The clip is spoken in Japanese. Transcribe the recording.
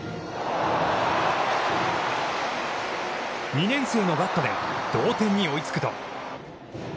２年生のバットで同点に追いつくと。